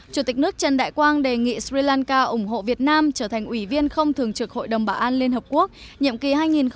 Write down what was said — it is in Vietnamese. chủ tịch nước trần đại quang đề nghị sri lanka ủng hộ việt nam trở thành ủy viên không thường trực hội đồng bảo an liên hợp quốc nhiệm kỳ hai nghìn hai mươi hai nghìn hai mươi một